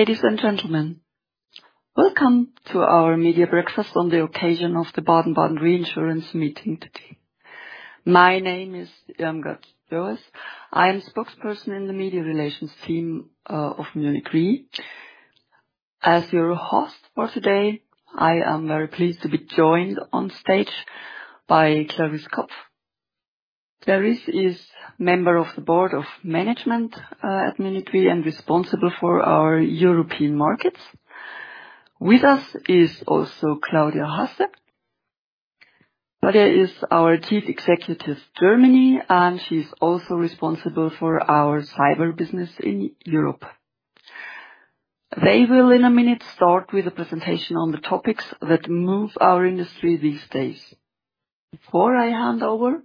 Ladies and gentlemen, welcome to our media breakfast on the occasion of the Baden-Baden Reinsurance Meeting today. My name is Irmgard Joas. I'm spokesperson in the Media Relations team of Munich Re. As your host for today, I am very pleased to be joined on stage by Clarisse Kopff. Clarisse is Member of the Board of Management at Munich Re and is responsible for our European markets. With us is also Claudia Hasse. Claudia is our Chief Executive, Germany, and she's also responsible for our cyber business in Europe. They will, in a minute, start with a presentation on the topics that move our industry these days. Before I hand over,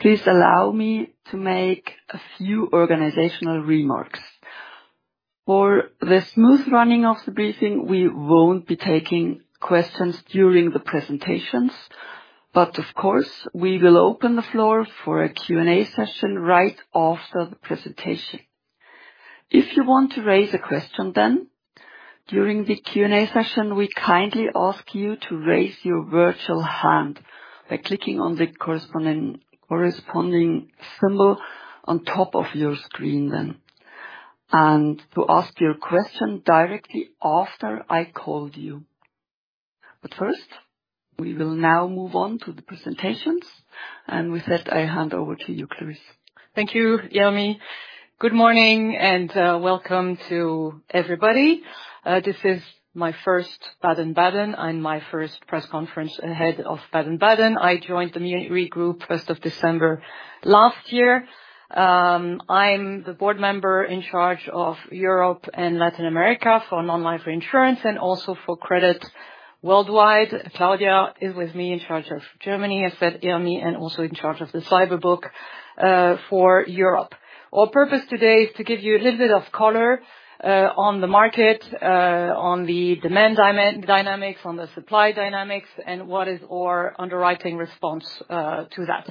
please allow me to make a few organizational remarks. For the smooth running of the briefing, we won't be taking questions during the presentations, but of course, we will open the floor for a Q&A session right after the presentation. If you want to raise a question, then, during the Q&A session, we kindly ask you to raise your virtual hand by clicking on the corresponding symbol on top of your screen, and to ask your question directly after I call you. But first, we will now move on to the presentations, and with that, I hand over to you, Clarisse. Thank you, Irmi. Good morning, and welcome to everybody. This is my first Baden-Baden, and my first press conference ahead of Baden-Baden. I joined the Munich Re Group first of December last year. I'm the board member in charge of Europe and Latin America for non-life reinsurance and also for credit worldwide. Claudia is with me, in charge of Germany, as said Irmi, and also in charge of the cyber book for Europe. Our purpose today is to give you a little bit of color on the market, on the demand dynamics, on the supply dynamics, and what our underwriting response is to that.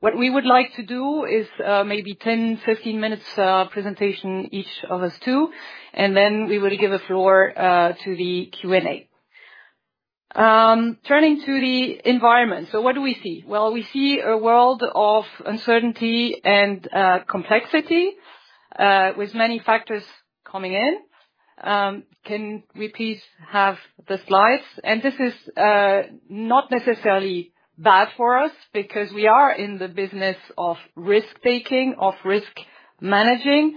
What we would like to do is maybe 10 to 15-minute presentation, each of us two, and then we will give the floor to the Q&A. Turning to the environment, so what do we see? Well, we see a world of uncertainty and complexity with many factors coming in. Can we please have the slides? And this is not necessarily bad for us, because we are in the business of risk-taking, of risk managing,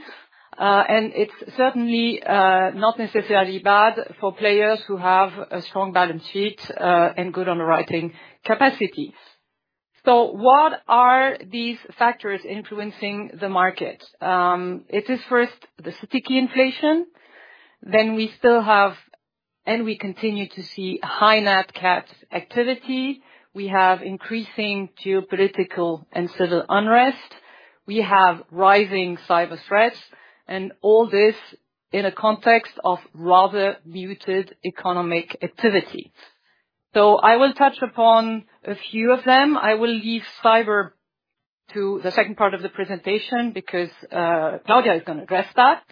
and it's certainly not necessarily bad for players who have a strong balance sheet and good underwriting capacities. So what are these factors influencing the market? It is first, the sticky inflation. Then we still have, and we continue to see, high Nat Cat activity. We have increasing geopolitical and civil unrest. We have rising cyber threats, and all this in a context of rather muted economic activity. So I will touch upon a few of them. I will leave cyber to the second part of the presentation, because Claudia is going to address that.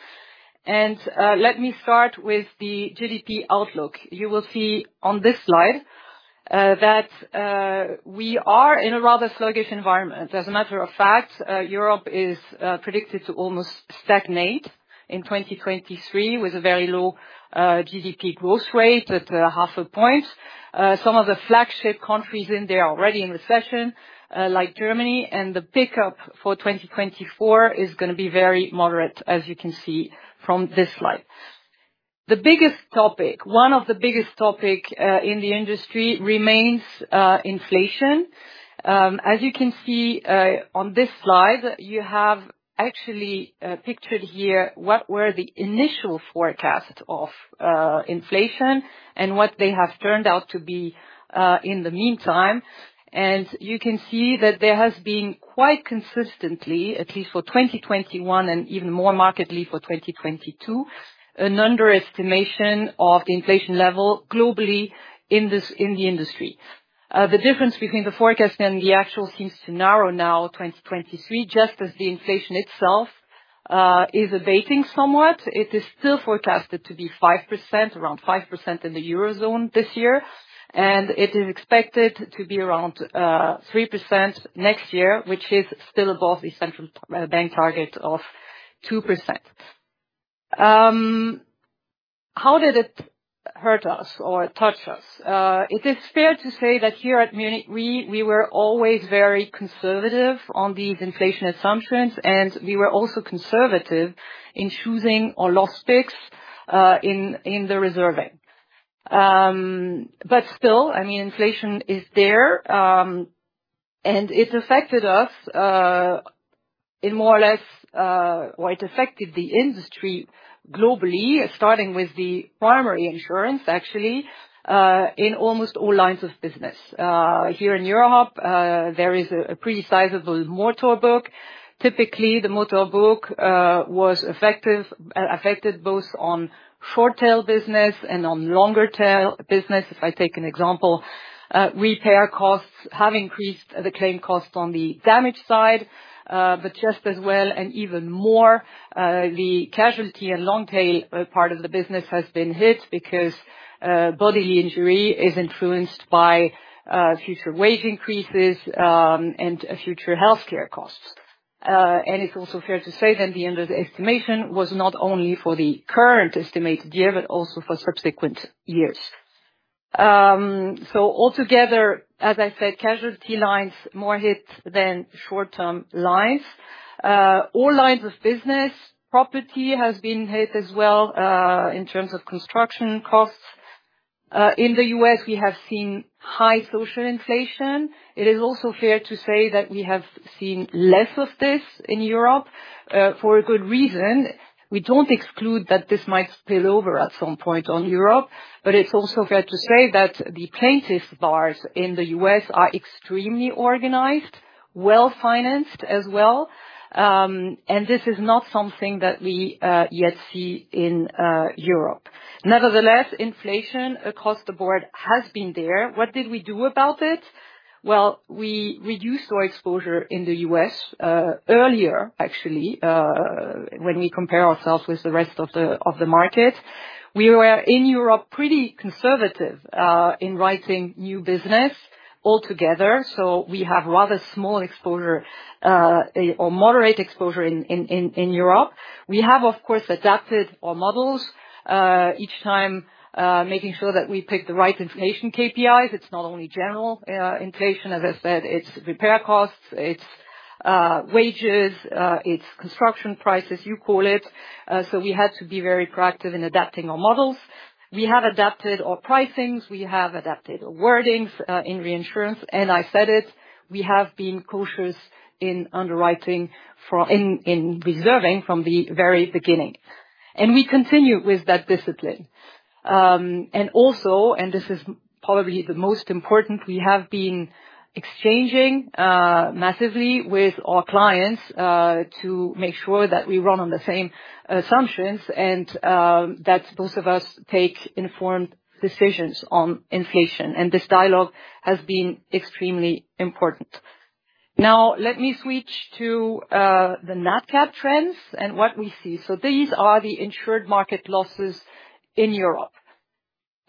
Let me start with the GDP outlook. You will see on this slide that we are in a rather sluggish environment. As a matter of fact, Europe is predicted to almost stagnate in 2023, with a very low GDP growth rate at 0.5%. Some of the flagship countries in there are already in recession, like Germany, and the pickup for 2024 is going to be very moderate, as you can see from this slide. The biggest topic, one of the biggest topics, in the industry remains inflation. As you can see, on this slide, you have actually pictured here what the initial forecasts of inflation were and what they have turned out to be in the meantime. And you can see that there has been, quite consistently, at least for 2021 and even more markedly for 2022, an underestimation of the inflation level globally in the industry. The difference between the forecast and the actual seems to narrow now, 2023, just as the inflation itself is abating somewhat. It is still forecasted to be 5%, around 5% in the Eurozone this year, and it is expected to be around 3% next year, which is still above the central bank target of 2%. How did it hurt us or touch us? It is fair to say that here at Munich Re, we were always very conservative on these inflation assumptions, and we were also conservative in choosing our loss picks in the reserving. But still, I mean, inflation is there, and it's affected us in more or less, well, it affected the industry globally, starting with the primary insurance, actually, in almost all lines of business. Here in Europe, there is a pretty sizable motor book. Typically, the motor book was affected both on short-tail business and on longer-tail business. If I take an example, repair costs have increased the claim cost on the damage side. But just as well, and even more, the casualty and long tail part of the business has been hit because bodily injury is influenced by future wage increases and future healthcare costs. And it's also fair to say that the end of the estimation was not only for the current estimated year, but also for subsequent years. So altogether, as I said, casualty lines are more hit than short-term lines. All lines of business, property has been hit as well, in terms of construction costs. In the U.S., we have seen high social inflation. It is also fair to say that we have seen less of this in Europe, for a good reason. We don't exclude that this might spill over at some point in Europe, but it's also fair to say that the plaintiffs' bars in the U.S. are extremely organized, well-financed as well, and this is not something that we yet see in Europe. Nevertheless, inflation across the board has been there. What did we do about it? Well, we reduced our exposure in the U.S. earlier, actually, when we compare ourselves with the rest of the market. We were, in Europe, pretty conservative in writing new business altogether, so we have rather small exposure or moderate exposure in Europe. We have, of course, adapted our models each time, making sure that we pick the right inflation KPIs. It's not only general inflation, as I said, it's also repair costs, it's also wages, it's construction prices, you call it. So we had to be very proactive in adapting our models. We have adapted our pricings, we have adapted our wordings in reinsurance, and I said it, we have been cautious in underwriting in reserving from the very beginning. We continue with that discipline. Also, this is probably the most important: we have been exchanging massively with our clients to make sure that we run on the same assumptions and that both of us take informed decisions on inflation, and this dialogue has been extremely important. Now, let me switch to the Nat Cat trends and what we see. So these are the insured market losses in Europe.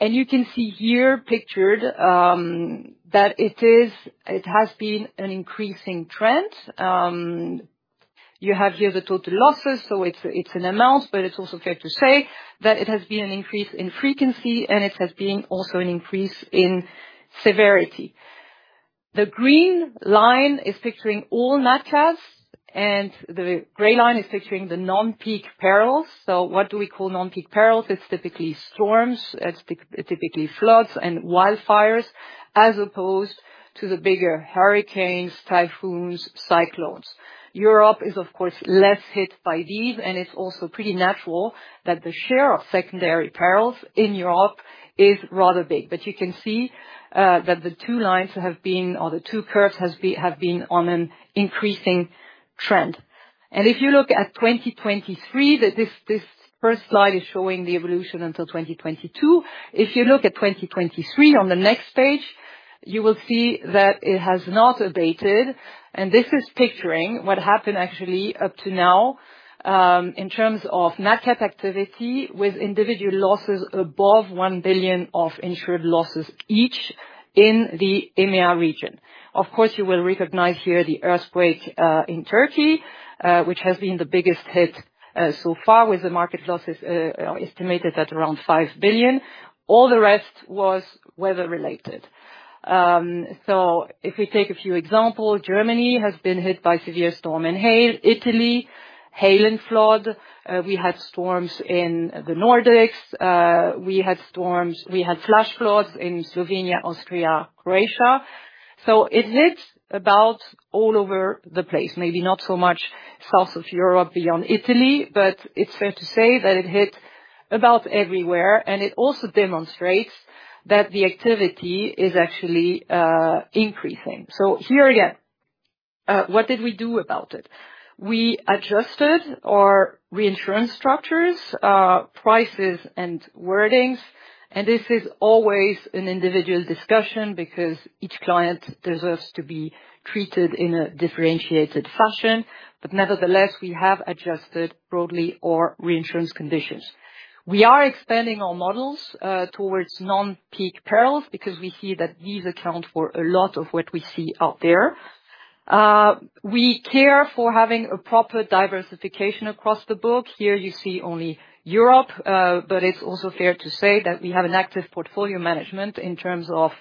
You can see here pictured that it has been an increasing trend. You have here the total losses, so it's an amount, but it's also fair to say that it has been an increase in frequency, and it has been also an increase in severity. The green line is picturing all Nat Cats, and the gray line is picturing the non-peak perils. So what do we call non-peak perils? It's typically storms, it's typically floods and wildfires, as opposed to the bigger hurricanes, typhoons, cyclones. Europe is, of course, less hit by these, and it's also pretty natural that the share of secondary perils in Europe is rather big. You can see that the two lines have been on an increasing trend. If you look at 2023, this first slide is showing the evolution until 2022. If you look at 2023 on the next page, you will see that it has not abated, and this is picturing what happened actually up to now, in terms of Nat Cat activity, with individual losses above 1 billion of insured losses, each in the EMEA region. Of course, you will recognize here the earthquake in Turkey, which has been the biggest hit so far, with the market losses estimated at around 5 billion. All the rest was weather-related. So if we take a few example, Germany has been hit by severe storm and hail, Italy, hail and flood. We had storms in the Nordics. We had storms, we had flash floods in Slovenia, Austria, Croatia. So it hit about all over the place. Maybe not so much south of Europe beyond Italy, but it's fair to say that it hit about everywhere, and it also demonstrates that the activity is actually increasing. So here again, what did we do about it? We adjusted our reinsurance structures, prices, and wordings. And this is always an individual discussion, because each client deserves to be treated in a differentiated fashion. But nevertheless, we have adjusted our reinsurance conditions broadly. We are expanding our models towards non-peak perils, because we see that these account for a lot of what we see out there. We care for having a proper diversification across the book. Here, you see only Europe, but it's also fair to say that we have an active portfolio management in terms of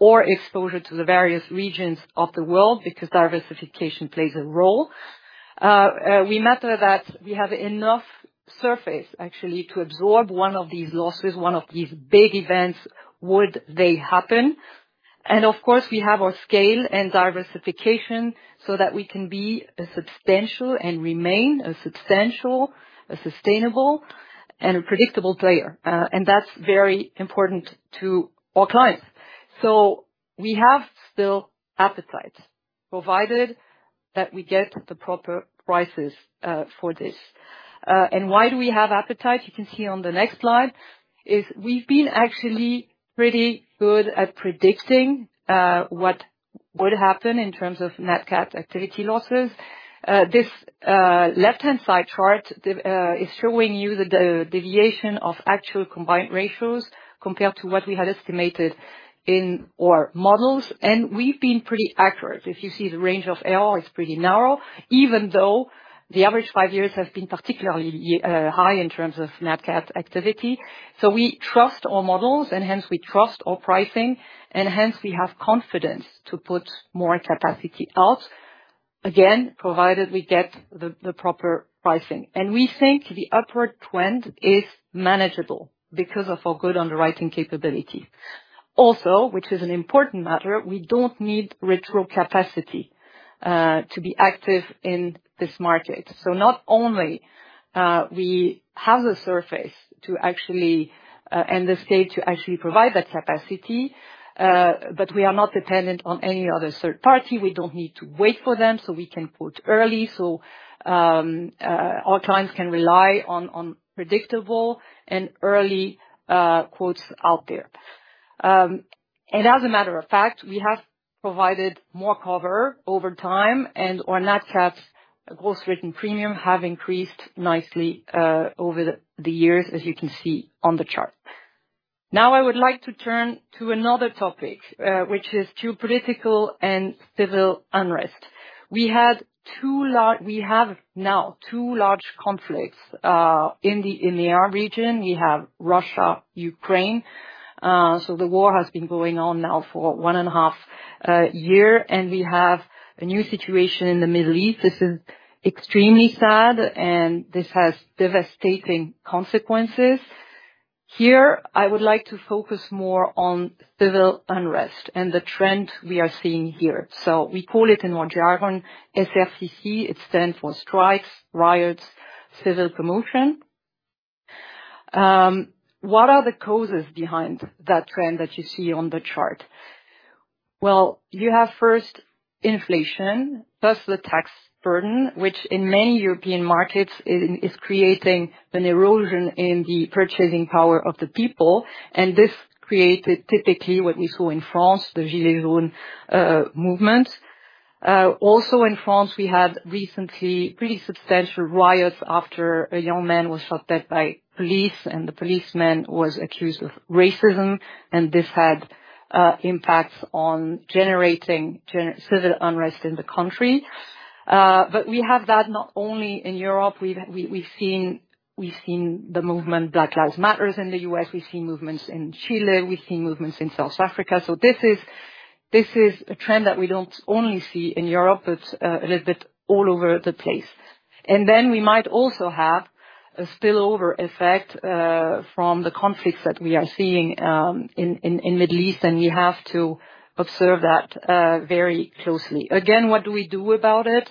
our exposure to the various regions of the world, because diversification plays a role. We measure that we have enough surface, actually, to absorb one of these losses, one of these big events, would they happened. And of course, we have our scale and diversification so that we can be a substantial and remain a substantial, a sustainable, and a predictable player. And that's very important to our clients. So we have an appetite, provided that we get the proper prices, for this. And why do we have an appetite? You can see on the next slide that we've actually been pretty good at predicting what would happen in terms of Nat Cat activity losses. This left-hand side chart shows you the deviation of actual combined ratios compared to what we had estimated in our models, and we've been pretty accurate. If you see the range of error, it's pretty narrow, even though the last five years have been particularly high in terms of Nat Cat activity. So we trust our models, and hence we trust our pricing, and hence we have confidence to put more capacity out, again, provided we get the proper pricing. We think the upward trend is manageable because of our good underwriting capability. Also, which is an important matter, we don't need retro capacity to be active in this market. So not only we have the surplus to actually and the strength to actually provide that capacity, but we are not dependent on any other third party. We don't need to wait for them, so we can quote early. So, our clients can rely on predictable and early quotes out there. And as a matter of fact, we have provided more coverage over time, and our Nat Cat gross written premiums have increased nicely over the years, as you can see on the chart. Now, I would like to turn to another topic, which is political and civil unrest. We now have two large conflicts in our region. We have Russia and Ukraine, so the war has been going on now for 1.5 years, and we have a new situation in the Middle East. This is extremely sad, and this has devastating consequences. Here, I would like to focus more on civil unrest and the trend we are seeing here. So we call it, in our jargon, SRCC. It stands for strikes, riots, and civil commotion. What are the causes behind that trend that you see on the chart? Well, you have first inflation, plus the tax burden, which in many European markets is creating an erosion in the purchasing power of the people, and this created, typically, what you saw in France, the Gilets Jaunes movement. Also in France, we had recently pretty substantial riots after a young man was shot dead by police, and the policeman was accused of racism, and this had impacts on generating civil unrest in the country. But we have that not only in Europe. We've seen the Black Lives Matter movement in the U.S., we've seen movements in Chile, and we've seen movements in South Africa. So this is a trend that we don't only see in Europe, but a little bit all over the place. And then we might also have a spillover effect from the conflicts that we are seeing in the Middle East, and we have to observe that very closely. Again, what do we do about it?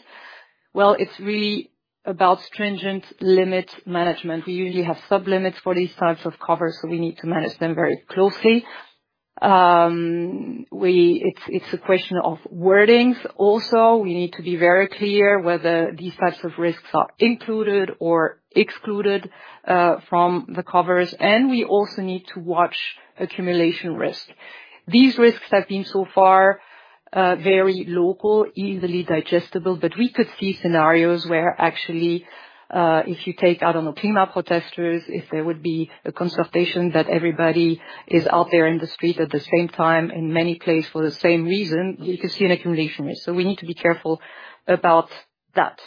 Well, it's really about stringent limit management. We usually have sub-limits for these types of covers, so we need to manage them very closely. It's a question of wording also. We need to be very clear whether these types of risks are included or excluded from the coverage, and we also need to watch the accumulation risk. These risks have been, so far, very local, easily digestible, but we could see scenarios where actually, if you take, I don't know, climate protesters, if there were a consultation that everybody is out there in the street at the same time, in many place for the same reason, you could see an accumulation risk. So we need to be careful about that.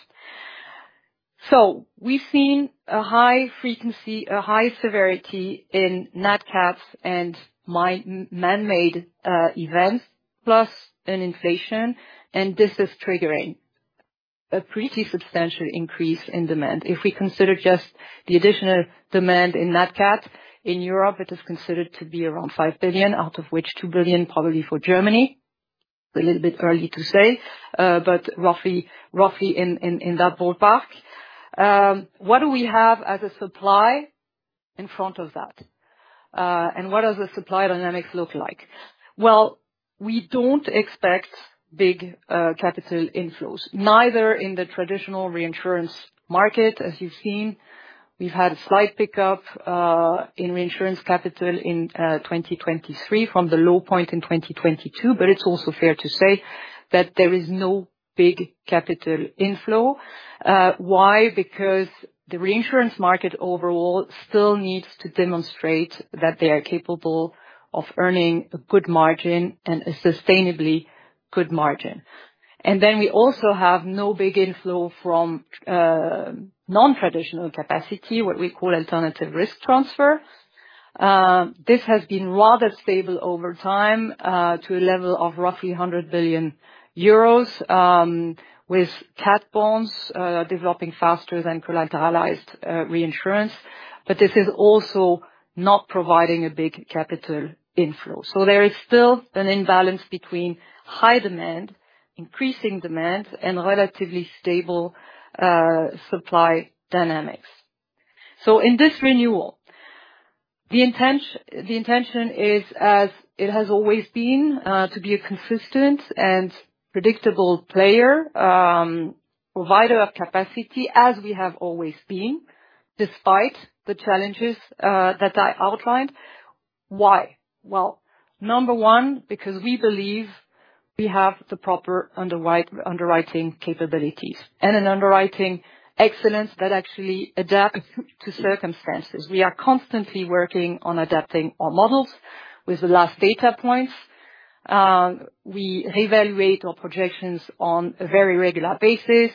So we've seen a high frequency, a high severity in Nat Cats and manmade events, plus an inflation, and this is triggering a pretty substantial increase in demand. If we consider just the additional demand in Nat Cat, in Europe, it is considered to be around 5 billion, out of which 2 billion is probably for Germany. A little bit early to say, but roughly, roughly in that ballpark. What do we have as a supply in front of that? And what does the supply dynamics look like? Well, we don't expect big capital inflows, nor in the traditional reinsurance market. As you've seen, we've had a slight pickup in reinsurance capital in 2023 from the low point in 2022, but it's also fair to say that there is no big capital inflow. Why? Because the reinsurance market overall still needs to demonstrate that it is capable of earning a good margin and a sustainably good margin. And then we also have no big inflow from nontraditional capacity, which we call Alternative Risk Transfer. This has been rather stable over time, to a level of roughly 100 billion euros, with cat bonds developing faster than collateralized reinsurance, but this is also not providing a big capital inflow. So there is still an imbalance between high demand, increasing demand, and relatively stable supply dynamics. So in this renewal. The intention is, as it has always been, to be a consistent and predictable player, provider of capacity, as we have always been, despite the challenges that I outlined. Why? Well, number one, because we believe we have the proper underwriting capabilities and an underwriting excellence that actually adapt to circumstances. We are constantly working on adapting our models to the last data points. We reevaluate our projections on a very regular basis.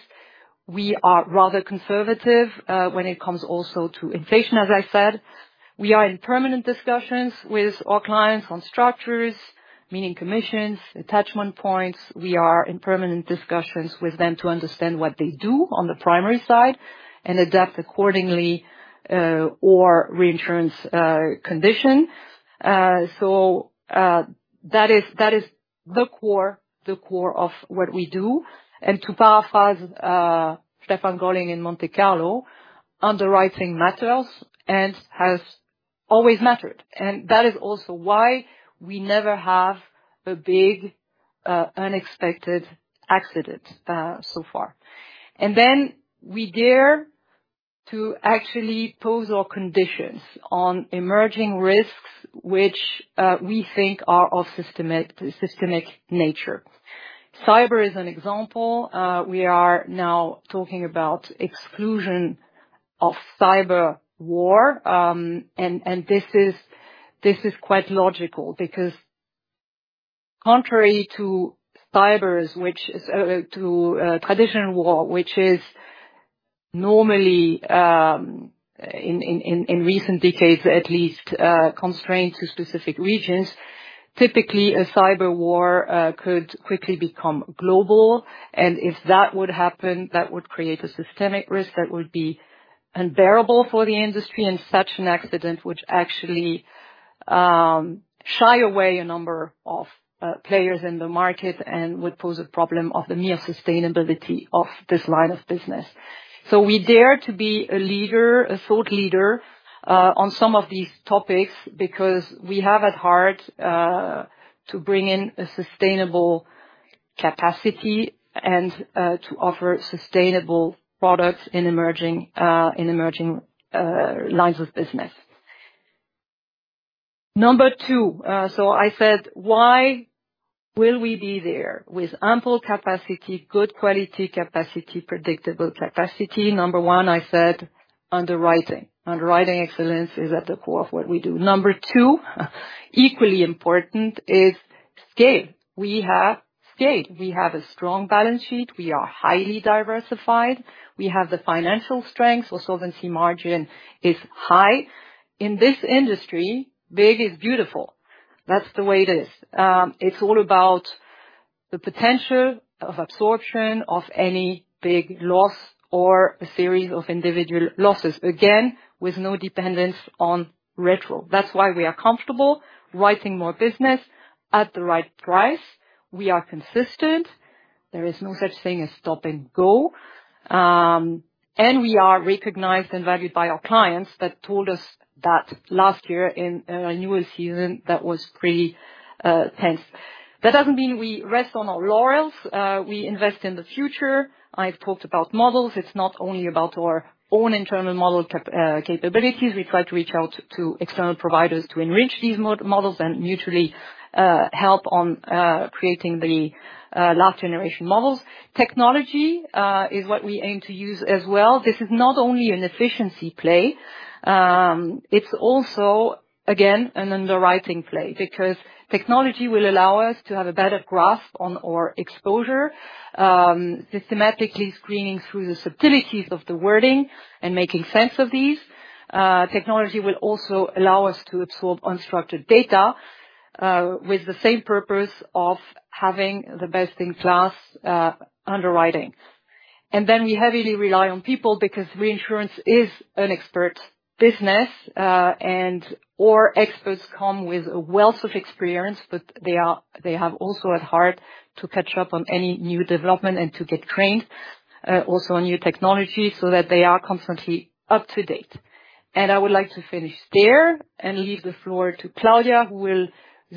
We are rather conservative when it comes to inflation, as I said. We are in permanent discussions with our clients on structures, meaning commissions, attachment points. We are in permanent discussions with them to understand what they do on the primary side and adapt accordingly, or reinsurance, condition. So, that is the core, the core of what we do. And to paraphrase, Stefan Golling in Monte Carlo, underwriting matters and has always mattered. And that is also why we never had a big, unexpected accident, so far. And then we dare to actually pose our conditions on emerging risks, which, we think are of a systemic nature. Cyber is an example. We are now talking about the exclusion of cyber war. This is quite logical, because contrary to cyber, which is to traditional war, which is normally in recent decades, at least, constrained to specific regions. Typically, a cyber war could quickly become global, and if that were to happen, that would create a systemic risk that would be unbearable for the industry, and such an accident would actually scare away a number of players in the market and would pose a problem of the mere sustainability of this line of business. So we dare to be a leader, a thought leader on some of these topics, because we have at heart to bring in a sustainable capacity and to offer sustainable products in emerging lines of business. Number two, so I said, why will we be there with ample capacity, good quality capacity, predictable capacity? Number one, I said, underwriting. Underwriting excellence is at the core of what we do. Number two, equally important, is scale. We have scale. We have a strong balance sheet. We are highly diversified. We have the financial strength. Our solvency margin is high. In this industry, big is beautiful. That's the way it is. It's all about the potential of absorption of any big loss or a series of individual losses, again, with no dependence on retro. That's why we are comfortable writing more business at the right price. We are consistent. There is no such thing as stop and go. And we are recognized and valued by our clients, who told us that last year in a renewal season that was pretty tense. That doesn't mean we rest on our laurels. We invest in the future. I've talked about models. It's not only about our own internal model capabilities. We try to reach out to external providers to enrich these models and mutually help in creating the large generation models. Technology is what we aim to use as well. This is not only an efficiency play, but it's also, again, an underwriting play, because technology will allow us to have a better grasp on our exposure, systematically screening through the subtleties of the wording and making sense of these. Technology will also allow us to absorb unstructured data with the same purpose of having the best-in-class underwriting. We heavily rely on people, because reinsurance is an expert business, and our experts come with a wealth of experience, but they have also at heart to catch up on any new development and to get trained, also on new technology, so that they are constantly up to date. I would like to finish there and leave the floor to Claudia, who will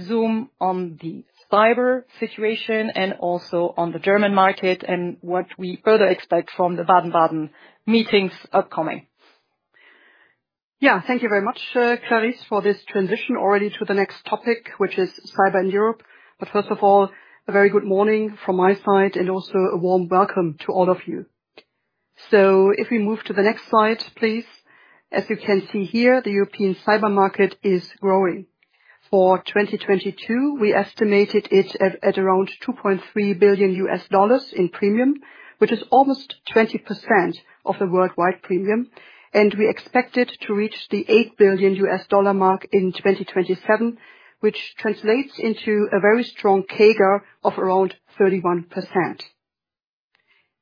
zoom on the cyber situation and also on the German market, and what we further expect from the Baden-Baden meetings upcoming. Thank you very much, Clarisse, for this transition already to the next topic, which is cyber in Europe. But first of all, a very good morning from my side, and also a warm welcome to all of you. So if we move to the next slide, please. As you can see here, the European cyber market is growing. For 2022, we estimated it at around $2.3 billion in premium, which is almost 20% of the worldwide premium, and we expect it to reach the $8 billion mark in 2027, which translates into a very strong CAGR of around 31%.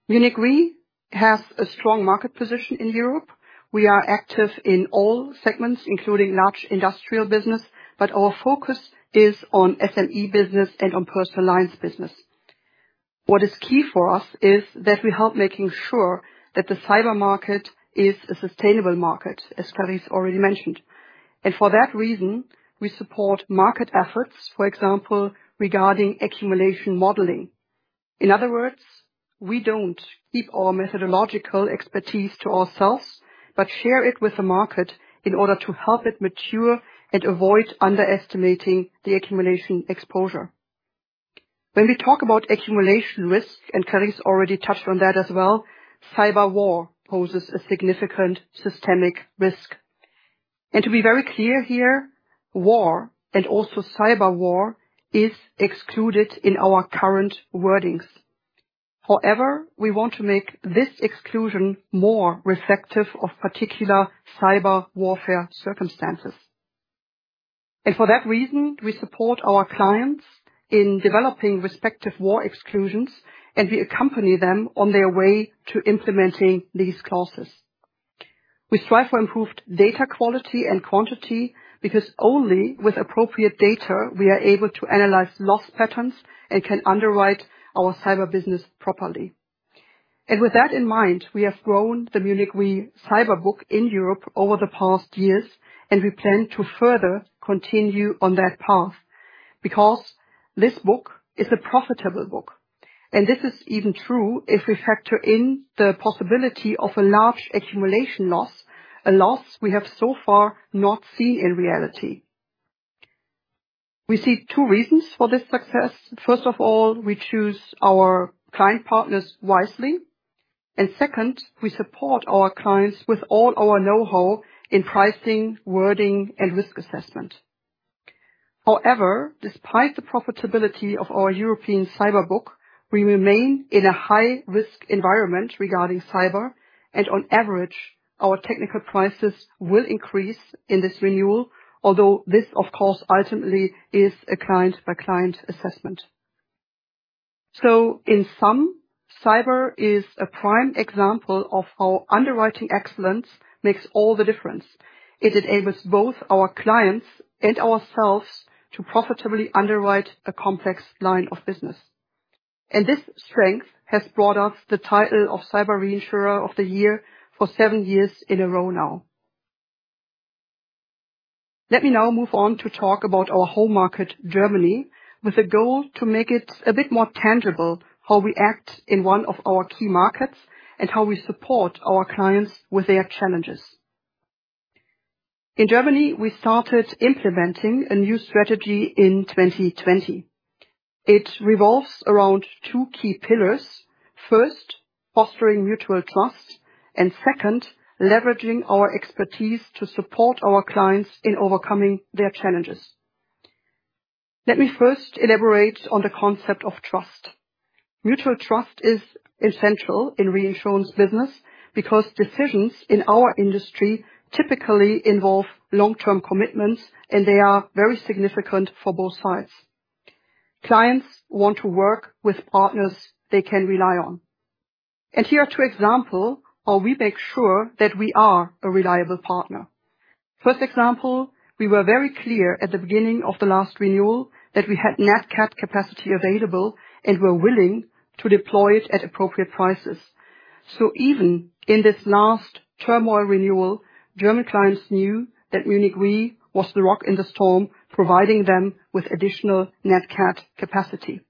Munich Re has a strong market position in Europe. We are active in all segments, including large industrial businesses, but our focus is on SME business and on personal lines business. What is key for us is that we help make sure that the cyber market is a sustainable market, as Clarisse already mentioned. And for that reason, we support market efforts, for example, regarding accumulation modeling. In other words, we don't keep our methodological expertise to ourselves, but share it with the market in order to help it mature and avoid underestimating the accumulation exposure. When we talk about accumulation risk, and Clarisse already touched on that as well, cyber war poses a significant systemic risk. And to be very clear here, war, and also cyber war, is excluded in our current wording. However, we want to make this exclusion more reflective of particular cyber warfare circumstances. And for that reason, we support our clients in developing respective war exclusions, and we accompany them on their way to implementing these clauses. We strive for improved data quality and quantity because only with appropriate data, we are able to analyze loss patterns and can underwrite our cyber business properly. And with that in mind, we have grown the Munich Re cyber book in Europe over the past years, and we plan to continue on that path, because this book is a profitable book, and this is even true if we factor in the possibility of a large accumulation loss, a loss we have so far not seen in reality. We see two reasons for this success. First of all, we choose our client partners wisely. And second, we support our clients with all our know-how in pricing, wording, and risk assessment. However, despite the profitability of our European cyber book, we remain in a high-risk environment regarding cyber, and on average, our technical prices will increase in this renewal, although this, of course, ultimately is a client-by-client assessment. So in sum, cyber is a prime example of how underwriting excellence makes all the difference. It enables both our clients and ourselves to profitably underwrite a complex line of business. And this strength has brought us the title of Cyber Reinsurer of the Year for seven years in a row now. Let me now move on to talk about our home market, Germany, with a goal to make it a bit more tangible, how we act in one of our key markets, and how we support our clients with their challenges. In Germany, we started implementing a new strategy in 2020. It revolves around two key pillars. First, fostering mutual trust, and second, leveraging our expertise to support our clients in overcoming their challenges. Let me first elaborate on the concept of trust. Mutual trust is essential in the reinsurance business because decisions in our industry typically involve long-term commitments, and they are very significant for both sides. Clients want to work with partners they can rely on. Here are two examples of how we make sure that we are a reliable partner. First example, we were very clear at the beginning of the last renewal that we had Nat Cat capacity available and were willing to deploy it at appropriate prices. So even in this last turmoil renewal, German clients knew that Munich Re was the rock in the storm, providing them with additional Nat Cat capacity.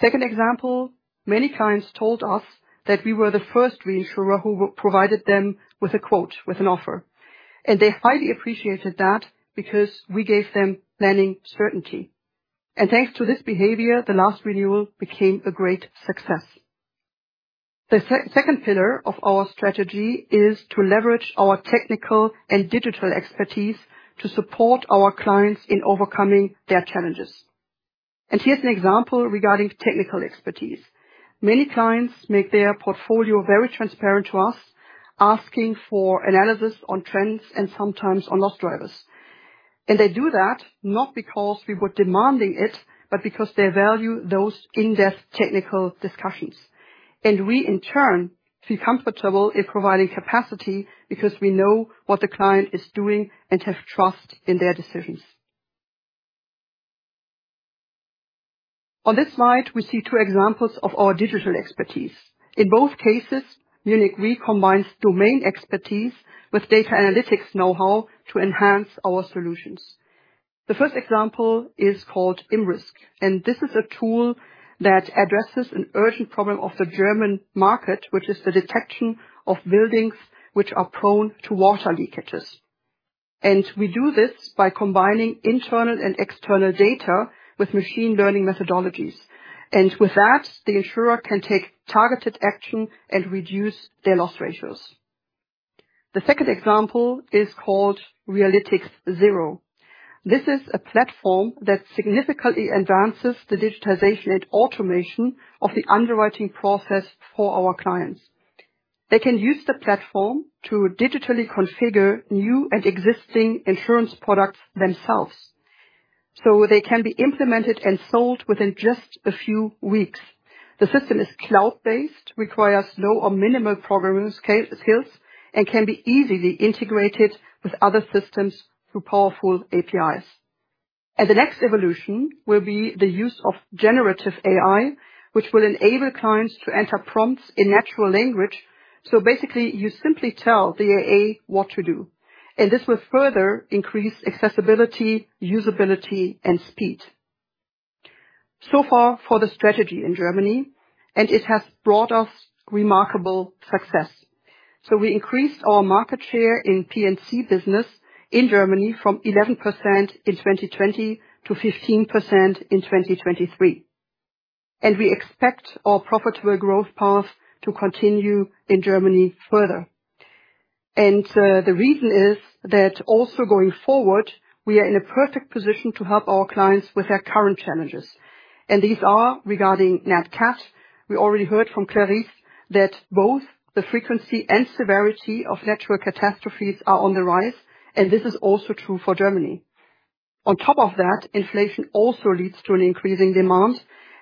Second example, many clients told us that we were the first reinsurer who provided them with a quote, with an offer, and they highly appreciated that because we gave them planning certainty. And thanks to this behavior, the last renewal became a great success. The second pillar of our strategy is to leverage our technical and digital expertise to support our clients in overcoming their challenges. And here's an example regarding technical expertise. Many clients make their portfolio very transparent to us, asking for analysis on trends and sometimes on loss drivers. And they do that not because we were demanding it, but because they value those in-depth technical discussions. And we, in turn, feel comfortable in providing capacity because we know what the client is doing and have trust in their decisions. On this slide, we see two examples of our digital expertise. In both cases, Munich Re combines domain expertise with data analytics know-how to enhance our solutions. The first example is called ImRisk, and this is a tool that addresses an urgent problem of the German market, which is the detection of buildings that are prone to water leakages. We do this by combining internal and external data with machine learning methodologies. With that, the insurer can take targeted action and reduce their loss ratios. The second example is called Realytix Zero. This is a platform that significantly advances the digitization and automation of the underwriting process for our clients. They can use the platform to digitally configure new and existing insurance products themselves, so they can be implemented and sold within just a few weeks. The system is cloud-based, requires low or minimal programming scale, skills, and can be easily integrated with other systems through powerful APIs. The next evolution will be the use of generative AI, which will enable clients to enter prompts in natural language. So basically, you simply tell the AI what to do, and this will further increase accessibility, usability, and speed. So far for the strategy in Germany, and it has brought us remarkable success. So we increased our market share in P&C business in Germany from 11% in 2020 to 15% in 2023. We expect our profitable growth path to continue in Germany further. The reason is that also going forward, we are in a perfect position to help our clients with their current challenges. These are regarding Nat Cat. We already heard from Clarisse that both the frequency and severity of natural catastrophes are on the rise, and this is also true for Germany. On top of that, inflation also leads to an increasing demand,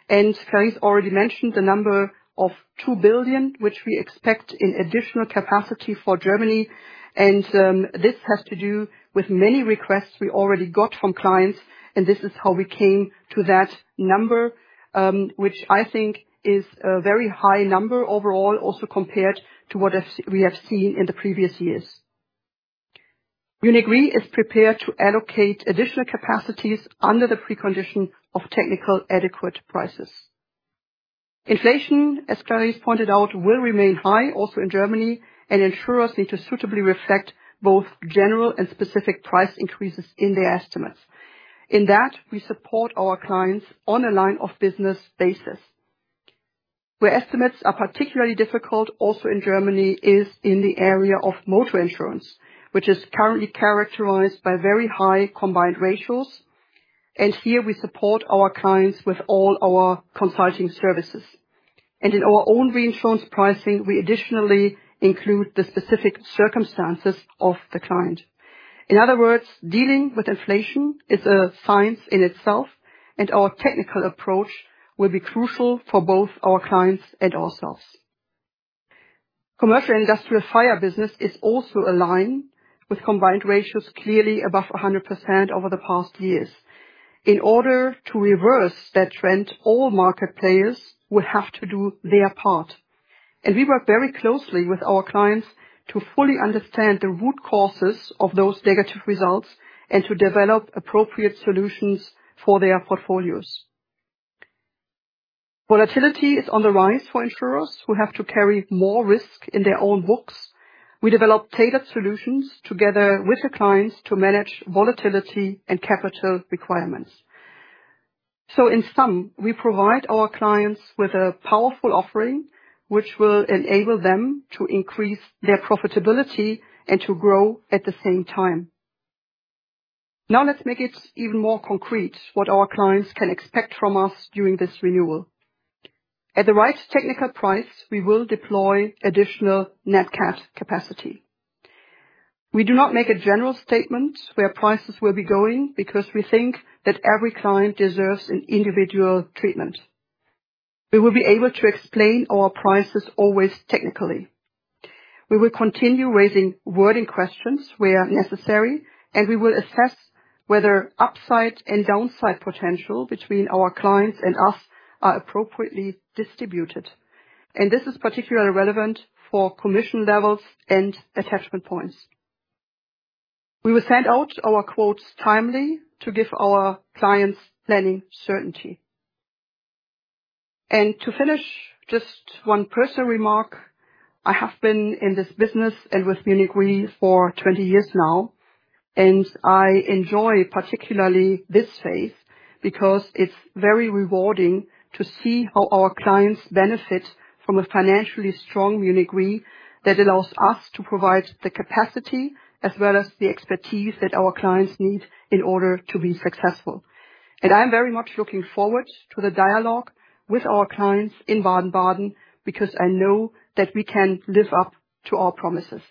and Clarisse already mentioned the number of 2 billion, which we expect in additional capacity for Germany. This has to do with many requests we already got from clients, and this is how we came to that number, which I think is a very high number overall, also compared to what we have seen in the previous years. Munich Re is prepared to allocate additional capacities under the precondition of technical adequate prices. Inflation, as Clarisse pointed out, will remain high, also in Germany, and insurers need to suitably reflect both general and specific price increases in their estimates. In that, we support our clients on a line-of-business basis. Where estimates are particularly difficult, also in Germany, is in the area of motor insurance, which is currently characterized by very high combined ratios. And here we support our clients with all our consulting services. And in our own reinsurance pricing, we additionally include the specific circumstances of the client. In other words, dealing with inflation is a science in itself, and our technical approach will be crucial for both our clients and ourselves. Commercial industrial fire business is also aligned with combined ratios, clearly above 100% over the past years. In order to reverse that trend, all market players will have to do their part. And we work very closely with our clients to fully understand the root causes of those negative results and to develop appropriate solutions for their portfolios. Volatility is on the rise for insurers, who have to carry more risk in their own books. We develop tailored solutions together with the clients to manage volatility and capital requirements. So in sum, we provide our clients with a powerful offering, which will enable them to increase their profitability and to grow at the same time. Now, let's make it even more concrete what our clients can expect from us during this renewal. At the right technical price, we will deploy additional Nat Cat capacity. We do not make a general statement where prices will be going, because we think that every client deserves an individual treatment. We will be able to explain our prices always technically. We will continue raising wording questions where necessary, and we will assess whether upside and downside potential between our clients and us are appropriately distributed. And this is particularly relevant for commission levels and attachment points. We will send out our quotes timely to give our clients planning certainty. And to finish, just one personal remark. I have been in this business and with Munich Re for 20 years now, and I enjoy particularly this phase, because it's very rewarding to see how our clients benefit from a financially strong Munich Re that allows us to provide the capacity as well as the expertise that our clients need in order to be successful. I am very much looking forward to the dialogue with our clients in Baden-Baden, because I know that we can live up to our promises.